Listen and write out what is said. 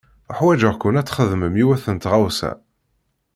Uḥwaǧeɣ-ken ad txedmem yiwet n tɣawsa.